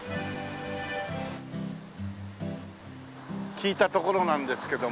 聞いた所なんですけども。